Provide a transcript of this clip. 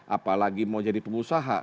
apalagi mau jadi pengusaha